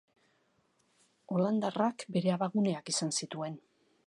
Holandarrak bere abaguneak izan zituen.